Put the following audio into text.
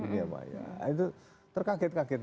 dunia maya itu terkaget kaget